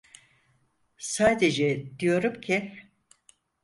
Sadece diyorum ki…